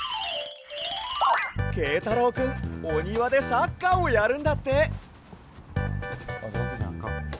けいたろうくんおにわでサッカーをやるんだって。